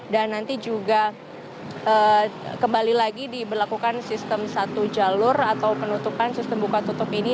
dan nanti juga kembali lagi diberlakukan sistem satu jalur atau penutupan sistem buka tutup ini